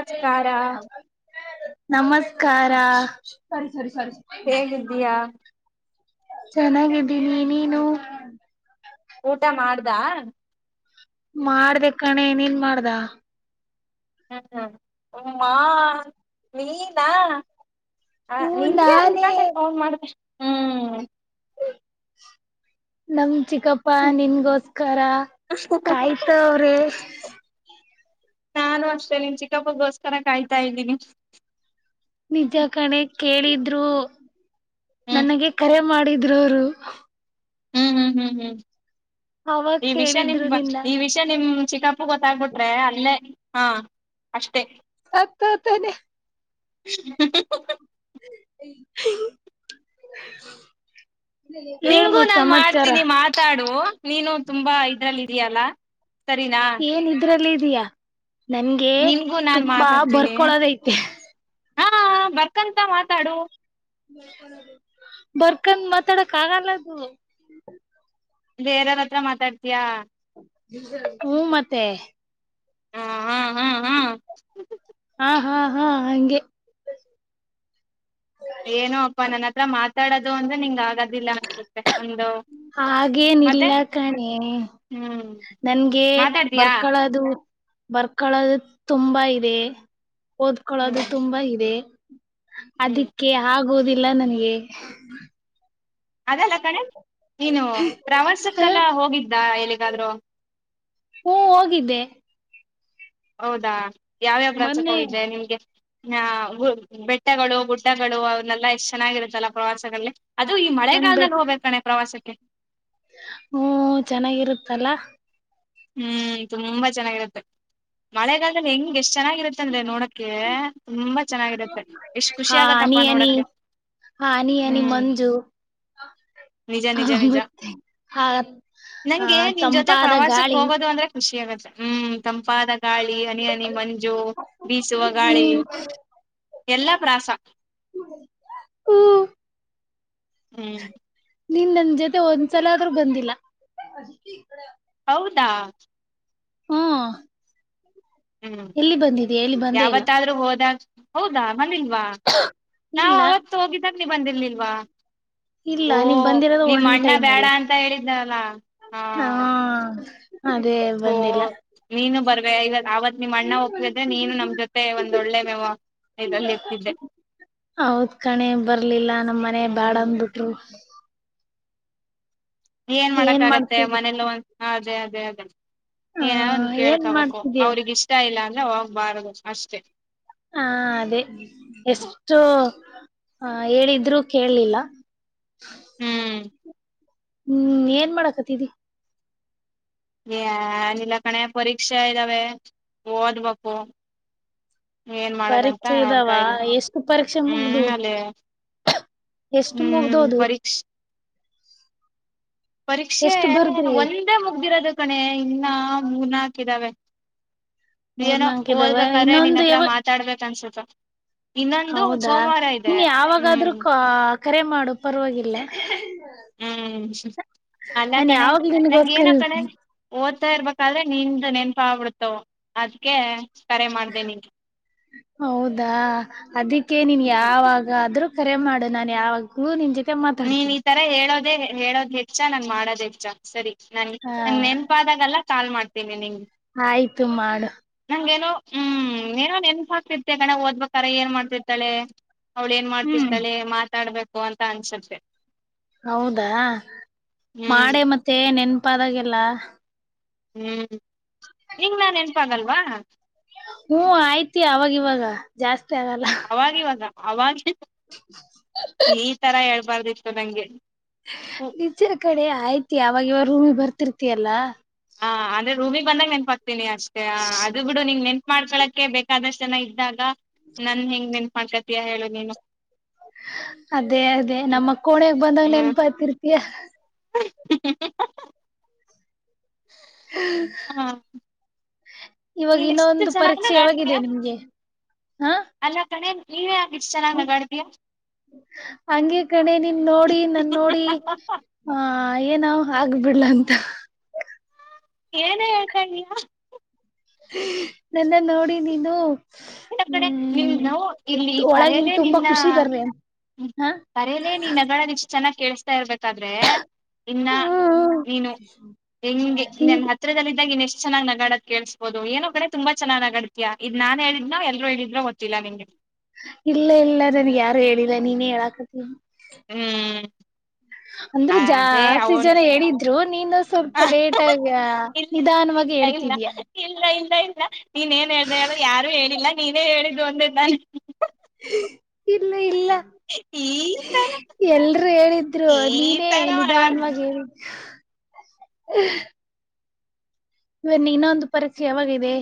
ಅಚ್ ಕಾರ ನಮಸ್ಕಾರ. ಸರಿ ಹೇಗಿದ್ದೀಯಾ ಚೆನ್ನಾಗಿದ್ದೀನಿ ನೀನು. ಊಟ ಮಾಡ್ದಾ ಮಾಡ್ದೆ ಕಣೆ ನೀನ್ ಮಾಡ್ದ? ಹ್ಮ್ ಹ್ಮ್ ಹುಮ್ಮ ನೀನಾ ಹ ಹ್ಮ ನಿಂಗೆ ನಾನೇ ಅನ್ಕೊಂಡೆ ಫೋನ್ ಮಾಡ್ದೆ ನಮ್ ಚಿಕ್ಕಪ್ಪಾ ನಿನ್ಗೋಸ್ಕರ ಕಾಯ್ತಾವ್ರೆ ನಾನು ಅಷ್ಟೇ ನಿನ್ ಚಿಕ್ಕಪ್ಪಗೋಸ್ಕರ ಕಾಯ್ತಾ ಇದ್ದೀನಿ ನಿಜ ಕಣೆ ಕೇಳಿದ್ರು ಹ್ಮ್ ನನಗೆ ಕರೆ ಮಾಡಿ ರು ರು ಹ್ಮ್ ಹ್ಮ್ ಹ್ಮ್ ಹ್ಮ್ ಅವಾಗ ಈ ವಿಷಯ ನಿಮ್ ಕೇಳಿದ್ರು ನಿನ್ನ ಈ ವಿಷಯ ನಿಮ್ ಚಿಕ್ಕಪ್ ಗೊತ್ತಾಗ್ಬಿಟ್ರೆ ಅಲ್ಲೇ ಹಾ ಅಷ್ಟೇ ಹತ್ತತನೆ ಹ್ಮ ಹ್ಮ ಹ್ಮ ಹ್ಮ ನಿಂಗು ನಾನು ಮಾಡ್ತೀನಿ ಮಾತಾಡು ನೀನು ತುಂಬಾ ಇದ್ರಲ್ಲಿ ಇದೆಯಲ್ಲ ಏನ್ ಇದ್ರಲ್ಲಿ ದಿಯಾ ನಂಗೆ ನಿನ್ಗೂ ನಾನ್ ತುಂಬಾ ಮಾತಾಡ್ತೀನಿ ಬರ್ಕೊಳೋದಐತೆ ಹಾ ಬಕ್ಕಂತ ಮಾತಾಡು ಬರ್ಕನ್ ಮಾತಾಡಕ್ ಆಗಲ್ಲದು ಬೇರೆಯವ ಹತ್ರ ಮಾತಾಡ್ತಯಾ ಹ್ಮ ಮತ್ತೆ ಹಾ ಹಾ ಹಾ ಹಾ ಹಾ ಹಾ ಹಗೆ ಡೋದು ಅ್ರೆಂಗ ಆಗ ಮತ್ತೆ ಹಾಗೇನಲ್ಲ ಕಣೆ ಹ್ಮ್ ನನ್ಗೆ ಮಾತಾಡ್ತಯಾ ಬರ್ಕಳೋದು ಬರ್ಕಳದು ತುಂಬಾ ಇದೆ ಓದ್ಕೊಳ್ಳೋದು ಹ್ಮ್ ತುಂಬಾ ಇದೆ ಹ್ಮ್ ಅದಕ್ಕೆ ಹಾಗ ಹೌದಿಲ್ಲ ನನ್ಗೆ ಅದಲ್ಲ ಕಣೆ ನೀನು ಟ್ರಾವೆಲ್ಸಕ್ಕೆಲ್ಲ ಹ್ಮ ಹೋಗಿದ್ದ ಎಲ್ಲಿಗಾದ್ೂ ಹೋಗಿದ್ದೆ ಹೌದಾ ಯಾವ್ಯಾವ ಪ್ರಾಚಕ ಮೊನ್ನೆ ಹೋಗಿದ್ದೆ ನಿಮ್ಗೆ ಹ ಗ ಬೆಟ್ಟಗಳು ಗುಡ್ಡಗಳು ಅವನ್ನೆಲ್ಲಾ ಎಷ್ಟ ಚೆನ್ನಾಗಿರುತ್ತಲ್ಲ ಪ್ರವಾಸಗಳಲ್ಲಿ ಅದು ಈ ಮಳೆ ಕಾಲದಲ್ಲಿ ಹೋಗ್ಬೇಕು ಕಣೆ ಪ್ರವಾಸಕ್ಕೆ ಹ ಹ್ಮ ಚೆನ್ನಾಗಿರುತ್ತಲ್ಲ ಹ್ಮ್ ತುಂಬಾ ಚೆನ್ನಾಗಿರುತ್ತೆ ಮಳೆಗಾಲದಲ್ಲಿ ಹೆಂಗ್ಗೆ ಎಷ್ಟ್ ಚೆನ್ನಾಗಿ ಹೇಗಿರುತ್ತೆ ಅಂದ್ರೆ ನೋಡಕ್ಕೆ ತುಂಬಾ ಚೆನ್ನಾಗಿರತ್ತೆ ಎಷ್ಟ್ ಖುಷಿ ಆ ಹನಿ ಆಗತ್ತಪ್ಪಾ ಹನಿ ನೋಡಕ್ಕೆ ಹ್ಮ್. ನಿಜ ನಿಜ ಹ ನಿಜ ಮತ್ತೆ ಹ ನಂಗೆ ನಿನ್ ಜೊತೆ ತಂಪಾದ ಗಾ ಪ್ರವಾಸಕ್ ಹೋಗೋದು ಅಂದ್ರೆ ಖುಷಿ ಆಗು ಹ್ಮ್ ತಂಪಾದ ಗಾಳಿ ಹನಿ ಹನಿ ಮಂಜು ಬೀಸುವ ಗಾಳಿ ಹ್ಮ್ ಎಲ್ಲಾ ಪ್ರಾಸ ಹ್ಮ ಹ್ಮ್. ನೀನ್ ನನ್ ಜೊತೆ ಒಂದ್ಸಲ ಆದ್ರೂ ಬಂದಿಲ್ಲ. ಹೌದಾ. ಹ್ಮ. ಹ್ಮ್ ಎಲ್ಲಿ ಬಂದಿದೆ ಎಲ್ಲಿ ಬಂದೇ ಇಲ್ಲ ಯಾವತ್ತಾದ್ರೂ ಹೋದಾಗ ಹೌದಾ ಮನಿಲ್ವಾ ನಾವು ಇಲ್ಲ ಅವತ್ತು ಹೋಗಿದ [unintelligible] ಬಂದಿರ್ಲಿಲ್ವಾ. ಇಲ್ಲ ಓ ನೀವ್ ಬಂದಿರೋದು ನಿಮ್ ಒನ್ ಅಣ್ಣ ಟೈಮ್ ಬೇಡ ಅಲ್ಲ ಅಂತ ಹೇಳಿದ್ದಲ್ಲ ಹಾ ಅದೇ ಬಂದಿಲ್ಲ ಓಂ ನೀನು ಬರ್ಬೇಕ [inaudible] ನಿಮ್ಮ ಅಣ್ಣ ಒಪ್ಕೊಂಡ್ರೆ ನೀನು ನಮ್ ಜೊತೆ ಒಂದಳ್ಳೆ ಮ ಇದಲ್ಲಿ ಇರ್ತಿದ್ದೆ ಹೌದ್ ಕಣೆ ಬರ್ಲಿಲ್ಲ ನಮ್ ಮನೆ ಬ್ಯಾಡ ಹ್ಮ್ ಅಂದ್ಬಿಟ್ರು ಏನ್ ಮಾಡಕ್ಕ ಆಗತ್ತೆ ಮನಲ್ಲ ಅದೇ [unintelligible] ಹ ಏ ಒ ಏನ್ ಕೇಳ್ಕಬೇಕು ಮಾಡ್ತಿದೀಯ ಅವ್ರಗ ಇಷ್ಟ ಇಲ್ಲ ಅಂತ ಇಲ್ಲ ಹೋಗ್ಬಾರದು ಅಷ್ಟೇ ಹಾ ಅದೇ ಎಷ್ಟು ಹೇಳಿದ್ರರು ಕೇಳಿಲ್ಲ ಹ್ಮ್ ಹ್ಮ್ ಏನ್ ಮಾಡಕತಿದಿ ನಿಲ್ಲ ಕಣೆ ಪರೀಕ್ಷೆ ಇದ್ದಾವೆ ಓದ್ಬೇಕು ಏನ್ ಮಾಡದಂತ ಪರೀಕ್ಷೆ ಇದಾವ ನೋಡ್ತಾ ಇದೀನಿ ಎಷ್ಟು ಪರೀಕ್ಷೆ ಮುಗ್ದ ಹ್ಮ್ ಅಲ್ಲೇ ಎಷ್ಟು ಹ್ಮ್ ಮುಗ್ದೋದು ಪರೀಕ್ಷೆ ಪರೀಕ್ಷೆ ಎಷ್ಟು ಬರ್ದ್ರಿ ಒಂದೇ ಮುಗ್ದಿರೋದ ಕಣೆ ಇನ್ನ ಮೂರ್ನಾಕ್ ಇದಾವೆ ಮೂರ್ ಏನೋ ನಾಲ್ಕ ಇದಾವ ಓದಬೇಕಾದ್ರೆ ನಿನ್ ಇನ್ನೊಂದು ಹತ್ರ ಯಾವಾಗ ಮಾತಾಡ್ಬೇಕ ಅನ್ಸುತ್ತ [inaudible] ಇನ್ನೊಂದು ಹೌದಾ ಸೋಮವಾರ ಇದೆ ನೀನ್ ಹ್ಮ್ ಯಾವಾಗಾದ್ೂ ಕರೆ ಮಾಡು ಪರವಾಗಿಲ್ಲ ಹ್ಮ್ ಅಲ್ಲ ನಾನ್ ಕಣೆ ಯಾವಾಗ ನಂಗ ನಿನ್ಗೋಸ್ಕರ ಏನ ಕಣೆ ಓ ಹತ ಇರ್ಬೇಕಾದ್ರೆ ನಿಂದು ನೆನ್ಪ ಆಗ್ಬಿಡ್ತು ಅದ್ಕ ಹೌದಾ ಅದಕ್ಕೆ ನೀನ್ ಹ್ಮ್ ಯಾವಾಗ ಆದ್ರೂ ಕರೆ ಮಾಡು ನಾನ್ ಯಾವಾಗ್ಲೂ ನೀನ್ ಜೋ ಮತ್ತೆ ನೀನ್ ಈ ಮಾತಾಡ್ತಿನೀ ತರ ಹೇಳೋದೇ ಹೇಳೋದ್ ಹೆಚ್ಚ ನನ್ ಮಾಡೋದ್ ಹೆಚ್ಚ ಸರಿ ನನ್ಗೆ ಹಾ ನಂಗ ನೆನ್ಪಾದಾಗಲ್ಲ ಕಾಲ್ ಮಾಡ್ತೀನಿ ನಿಮ್ ಆಯ್ತು ಮಾಡು ಹಂಗೇನ ಹ್ಮ್ ಏನೋ ನೆನ್ಪ ಆಗ್ತಿರ್ತೀಯ ಕಣೆ ಓದ್ಬೇಕ್ರ ಏನ್ ಮಾಡ್ತಿರ್ತಾಳೆ ಅವ್ಳ ಏನ್ ಹ್ಮ್ ಮಾಡ್ತಿರ್ತಳೆ ಮಾತಾಡ್ಬೇಕ ಬೇಕು ಅಂತ ಅನ್ಸುತ್ತೆ ತೇ ಹೌದಾ ಹ್ಮ್ ಮಾಡೆ ಮತ್ತೆ ನೆನ್ ಪಾದಾಗೆಲ್ಲ ಹ್ಮ್ ನಿಂಗ್ ನಾ ನೆನ್ಪಾಗಲ್ವಾ ಹ್ಮ ಆಯ್ತಿ ಅವಾಗ ಇವಾಗ ಜಾಸ್ ಅವಾಗಿವಾಗ ಅವಾಗ್ಲೆ ಬಾರದಿತ್ತು ನಂಗೆ ನಿಜ ಕಣೆ ಅಹಿತಿಯ ಅವಾಗ ಇವಾಗ ರೂಮಿ ಬರ್ತಿತಿಯಲ್ಲಾ ಹಾ ಅಂದ್ರೆ ರೂಮಿ ಬಂದಾಗ ನೆನ್ಪಪಾ ತಿನಿ ಅಷ್ಟೇ ಅದು ಬಿಡು ನಿಂಗ್ ನೆನ್ ಮಾಡ್ಕೊಳಕ್ಕೆ ಬೇಕಾದಷ್ಟು ಜನ ಇದ್ದಾಗ ನನ್ ಹೆಂಗ್ ನೆನಪ್ ಮಾಡ್ಕತಯಾ ಹೇಳು ನೀನು ಅದೇ ಅದೇ ನಮ್ಮ ಕೋಣೆಗೆ ಬಂದಂಗ ನೆನ್ಪಾತಿರ್ತಯಾ ಹಾ ಇವಾಗ ಇನ್ನೊ ಒಂದು ಪರೀಕ್ಷೆ ನಗಾಡ್ತೀಯ ಯಾವಾಗಿದೆ ನಿಮ್ಗೆ ಹಾ ಅಲ್ಲ ಕಣೆ ನೀನಾ ಹಂಗೆ ಕಣೆ ನೀನ್ ನೋಡಿ ನನ್ ನೋಡಿ ಆ ಏನೋ ಆಗ್ಬಿಡ್ಲಅಂತ ಏನ ಹೇಳ್ತಾ ಇದಯ ನನ್ನ ನೋಡಿ ನೀನು ಎ ಕಡೆ ನಿಮ ಹ್ಮ್ ನ ಇಲ್ಲಿ ಒಳಗಿನ್ ಕರಲೆ ತುಂಬಾ ನಿನ್ನ ಖುಷಿ ಬರ್ಲಿ ಅಂತ ಹಾ ಕರಲೆ ನಿ ನಗಳ ಇಷ್ಟು ಚೆನ್ನಾಗಿ ಕೇಳಿಸಸ್ತಾ ಇರ್ಬೇಕಾದ್ರೆ ಇನ್ನ ನೀನು ಹೆಂಗೆ ನನ್ನ ಹತ್ರಿದಲ್ಲಿದ್ದಾಗಿನ್ ಚನ್ನ ನಗಡದ ಕೇಳಿಸಬೋುದು ಏೋ ಕಡೆ ತುಂಬ ಚನ್ನ್ ನಗಡತತ್ಯಾ ಇದ ನನ್ ಹೇಳಿ ಇನ್ನ ಎಲ್ರರು ಹೇಳಿದ್ರೆ ಗೊತ್ತಿಲ್ಲ ನಿಮ್ಗೆ ಇಲ್ಲ ಇಲ್ಲ ನನ್ಗೆ ಯಾರು ಹೇಳಿಲ್ಲ ನೀನೇ ಹೇಳಾಕತ್ತೀ ಹ್ಮ್ ಅಂದ್ರು ಅದೇ ಜಾಸ್ತಿ ಅವನ್ ಜನ ಹೇಳಿದ್ರು ನೀಂದ ಸ್ವಲ್ಪ ಲೇಟಗ ಇಲ್ಲ ಇಲ್ಲ ನಿಧಾನವಾಗಿ ಇಲ್ಲ ಹೇಳ್ತಿದಯ ಇಲ್ಲ ಇಲ್ಲ ಇಲ್ಲ ನೀನ್ ಏನ್ ಹೇಳ್ದ ಹೇಳ ಯಾರು ಹೇಳಿಲ್ಲ ನೀನೇ ಹೇಳಿದ್ದು ಅಂದೆ ತಾನೇ ಇಲ್ಲ ಇಲ್ಲ ಈ ತರ ಎಲ್ರುೂ ಹೇಳಿದ್ರು ಈ ನೀನೇ ತರ ಹೇಳಿದ ಮಾಡ್ಬಾರ್ದು ಅನ್ವಾಗ ಹೇಳ ಹ ಇವನ್ನ ಇನ್ನೊಂದು ಪರೀಕ್ಷೆ ಯಾವಾಗದೆ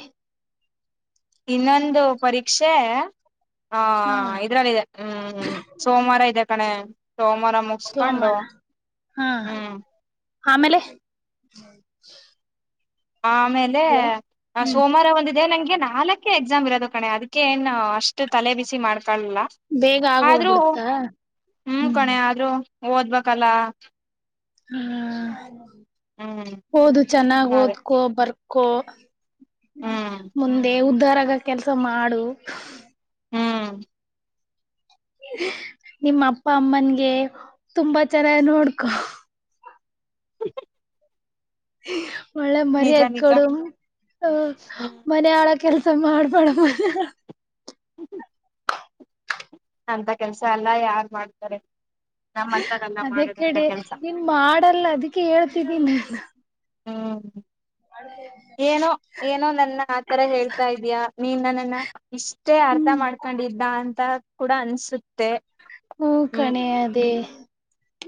ಇನ್ನೊಂದು ಪರೀಕ್ಷೆ ಹಾ ಇದ್ರಲ್ಲಿದೆ ಹ್ಮ್ ಹ್ಮ ಸೋಮವಾರ ಇದೆ ಕಣೆ ಸೋಮವಾರ ಮುಗಸ್ಕೊಂಡು ಸೋಮವಾರ ಹಾ ಹ್ಮ್ ಆಮೇಲೆ ಆಮೇಲೆ ಹಲೋ ಹ್ಮ್ ಸೋಮವಾರ ಒಂದಿದೆ ನಂಗೆ ನಾಲ್ಕು ಎಕ್ಸಾಮ್ ಇರೋದು ಕಣೆ ಅದಕ್ಕೆ ಏನ್ ಅಷ್ಟ ತಲೆ ಬಿಸಿ ಮಾಡ್ ಕಲ್ಲ ಬೇಗ ಆದ್ರೂ ಆಗೋಗ್ಬಿಡುತ್ತಾ ಹ್ಮ್ ಕಣೆ ಆದ್ರೂ ಓದ್ಬೇಕಲ್ಲ ಹ್ಮ್ ಹ್ಮ್ ಹಓದು ಚೆನ್ನಾಗ್ ಅದೇ ಓದ್ಕೊ ಬರ್ ಕೋ ಹ್ಮ್ ಮುಂದೆ ಉದ್ದ ಉ ದರಗ ಕೆಲ್ಸ ಮಾಡು ಹ್ಮ್ ನಿಮ್ಮ ಅಪ್ಪ ಅಮ್ಮನ್ಗೆ ತುಂಬಾ ಚೆನ್ನ ನೋಡ್ಕೊ ಹ ಒಳ್ಳೆ ನಿಜ ಮರ್ಯಾದೆ ನಿಜ ಕೊಡು ಹ್ಮ್ ಮನಳ ಕೆಲ್ಸ ಮಾಡ್ಬಡ್ಬೋದು ಹ ಅಂತ ಕೆಲ್ಸ ಅಲ್ಲ ಯಾರ್ ಮಾಡ್ತಾರೆ ನಮ್ಮಂತರೆಲ್ಲ ಅದೇ ಮಾಡೋದಂತ ಕಡೆ ಕೆಲ್ಸ ನಿನ್ ಮಾಡಲ್ಲ ಅದಕ್ಕೆ ಹೇಳ್ತಿದೀ ನ ಹಾ ಏನೋ ಏನೋ ನನ್ನ ಆತರ ಹೇಳ್ತಾ ಇದಯ ನೀನ್ ನನ್ನನ್ನ ಇಷ್ಟೇ ಅರ್ಥ ಹ್ಮ್ ಮಾಡ್ಕೊಂಡಿದ್ದ ಅ ಕೂಡ ಅನ್ಸುತ್ತೆ ಹ್ಮ ಹ್ಮ್ ಕಣೆ ಅದೇ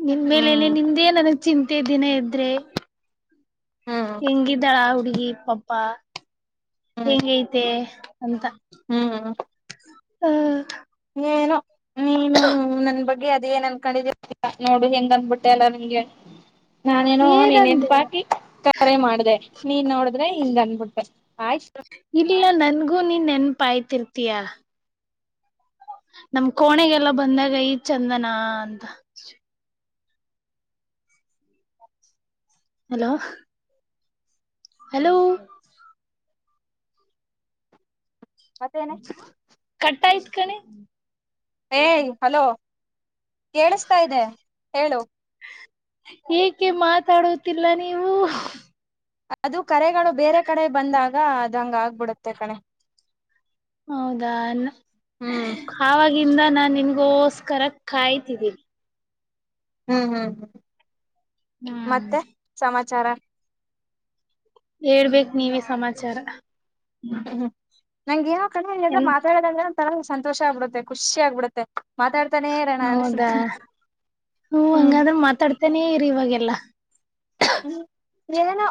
ನಿನ್ ಮೇಲೆಲೆ ಹ್ಮ್ ನಿಂದೆ ನನಗ್ ಚಿಂತೆ ದಿನ ಇದ್ರೆ ಹ್ಮ್ ಹೆಂಗ ಇದಾಳೆ ಹಡುಗಿ ಪಪಾ ಹ್ಮ್ ಹೇಂಗ ಐತೆ ಅಂತ ಹ್ಮ್ ಹ್ಮ ಏನೋ ನೀನು ನನ್ ಬಗ್ಗೆ ಹಾಗ ಅದ ಏನ್ ಅನ್ಕೊಂಡಿದೀ ನೋಡು ಹೆಂಗ ಅಂದಬಿಟ್ಟೆ ಎಲ್ಲ ನಿಂ್ಗೆ ನಾನೇನೋ ಏನಂದೆ ನೀನ್ನ್ಪಾಕಿ ಕರೆ ಮಾಡ್ದ ನೀನ್ ನೋಡಿದ್ರೆ ಹಿಂಗ ಅನ್ಬಿಟ್ಟೆ ಆಯ್ತು ಕಾಯರ್ತೀಯಾ ನಮ್ ಕೋಣೆಗೆಲ್ಲ ಬಂದಾಗ ಐದ್ ಚಂದನಾ ಅಂತ ಹಲೋ ಹಲೋ ಮತ್ತೇನೆ ಕಟ್ಟಾಯ್ತ ಕಣೆ ಏ ಹಲೋ ಕೇಳಿಸ್ತಾ ಇದೆ ಹೇಳು ಏಕೆ ಮಾತಾಡುತ್ತಿಲ್ಲ ನೀವು ಅದು ಕರೆಗಳು ಬೇರೆ ಕಡೆ ಬಂದಾಗ ಅದು ಹಂಗ ಆಗ್ಬಿಡುತ್ತೆ ಕಣೆ ಹೌದಾ ಹ್ಮ್ ನಾ ನಿನ್ಗೋಸ್ಕರ ಕಾಯ್ತಿದ್ದೀನಿ ಹ್ಮ್ ಹ್ಮ್ ಹ್ಮ್ ಹ್ಮ್ ಮತ್ತೆ ಸಮಾ ಚಾರ ಹೇಳ್ಬೇಕೇಕ್ ನೀವ ಸಮಾಚಾರ ಹ್ಮ ಹ್ಮ ನಂಗಯ ಅ ಎನ್ ಮಾತಡದ್ರ ಸ ಸಂತೋಷ ಆಗ್ಬಿಡುತ್ತೆ ಖುಷಿ ಆಗ್ಬಿಡುತ್ತೆ ಮಾತಾಡ್ತಾನೆ ಇರೋಣ ಹೌದಾ ಅನ್ಸುತ್ತೆ ಹ ಹ್ಮ್ ಹಂಗಾದ್ರೆ ಮಾತಾಡ್ತೇನೆೇ ಇರಿ ಇವಾಗೆಲ್ಲ ಹ್ಮ್ ಏನೋ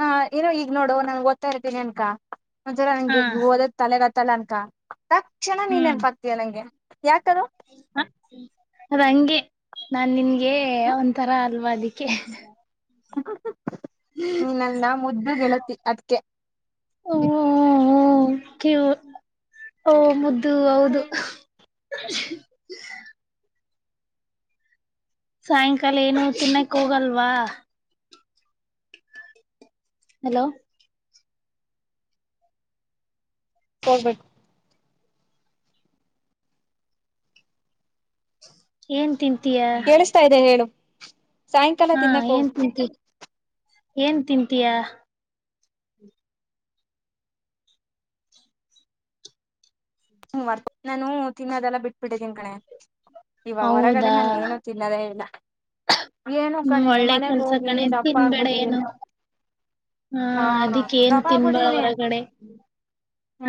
ಹ ಏನೋ ಈಗ್ ನೋಡುುವ ನನ್ಗೆ ಓದ್ತಾ ಇರ್ತೀನಿ ಅನ್ಕ ಒಂದ್ಸಲ ಹಾ ಹಂಗೆ ಇ ಓದದ್ ತಲೆಗತ್ತ ತಲಂಕ ತಕ್ಷಣ ಹ್ಮ್ ನೆನಪಾಗ್ತಿಯ ನಂಗೆ. ಯಾಕ ಹ ಅದಂಗೆ ನಾ ನಿನ್ಗೆ ಒಂಥರ ಅಲ್ವದಿಕ್ಕೆ ಹ ನಿ ನನ್ನ ಮುದ್ದು ಗೆಳತಿ ಅದಕ್ಕೆ ಹ್ಮ್ಮ್ ಕ್ಯೂ ಹೂ ಮೂದ್. ಅದು ಹೌದು [inaudible] ಸಾಯಂಕಾಲ ಏನು ತಿುನ್ನಕ್ ಹೋಗಲ್ವಾ ಹಲೋ ಹೋಗಬೇಕ್ ಏನ್ ತಿಂತ ಕೇಳಸ್ತಿದೆ ಹೇಳು ಸಾಯಂಕಾಲ ಹಾ ತಿನ್ನಕ್ ಹೋಗ ಏನ್ ತಿಂತಿ ಏನ್ ತಿಂತೀಯಾ ಹ ವರ್ ನಾನು ತಿನ್ನೋದೆಲ್ಲ ಬಿಟ್ಬಿಟ್ಟೆದಿನಿ ಕಣೆ. ಇವಾಗ ಹೊರಗಡೆ ಹೌದಾ ನಾನು ಏನು ತಿನ್ನೋದೇ ಇಲ್ಲ ಏನು ಹ್ಮ ಕಣೆ ಒಳ್ಳೆ ಮನೆಗ್ ಕೆಲ್ಸ ಹೋಗಿ ಕಣೆ ದಪ್ಪ ತಿನ್ಬೇಡ ಏನು ಆಗ್ಬಿಟ್ಟಿದೀನಿ ಹಾ ಅದಿಕ್ಕೇಏನು ದಪ್ಪ ತಿನ್ಬ ಆಗ್ಬಿಟ್ಟಿದೀನಿ ಅವರಗಡೆ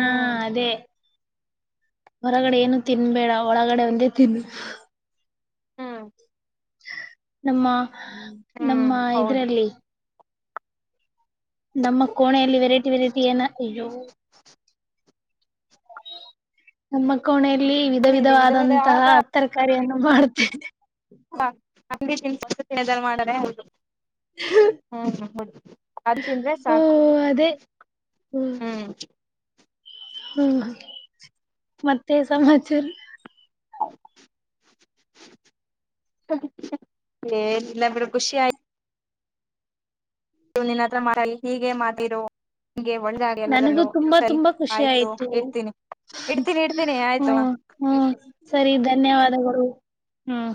ಹಾ ಅದೇ ಹೊರಗಡೆ ಏನು ತಿನ್ಬೇಡ ಒಳಗಡೆ ಒಂದೇ ತಿನ್ನು. ಹ್ಮ್ ನಮ್ಮ ನಮ್ಮ ಹ್ಮ್ ಹೌದು ಇದ್ರಲ್ಲಿ ನಮ್ಮ ಕೋಣೆಯಲ್ಲಿ ವೆರೈಟಿ ವೆರೈಟಿ ಏನ ಇೋ ನಮ್ಮ ಕೋಣ ವಿಧ ಇಲ್ಲಿ ಇಲ್ಲಿ ವಿಧವಾದಂತಹ ಹ ತರ ಕರೆಯನ್ನು ಮಾಡ್ತೇಿದೆ ಹಾ ಹಾ ತಿಂಡಿ ತಿ ತಿರ್ ಮಾಡರೆೇ ಹೌದು [unintelligible] ಹ್ಮ್ ಹ್ ಮ ಅನ್ಸಿಂದ್ರೆ ಓ ಸಾಕು ಅದೇ ಹ್ಮ್ ಹ್ಮ್ ಮತ್ತೆ ಸಮಾಚಾರ ಎಲ್ಲ ಬಿಡೆ ಖುಷಿಯಾಗಿ ನೀ ನಿನ್ನ ಹತ್ರ ಹೀಗೆ ಮಾತಿರೋ ನನಗೂ ತುಂಬಾ ತುಂಬಾ ಖುಷಿ ಆಯ್ತು ಇಡ್ತೀನಿ ಇಡ್ತೀನಿ ಹ್ಮ ಆಯ್ತು. ಹ್ಮ ಸರಿ ಧನ್ಯವಾದಗಳು. ಹ್ಮ್.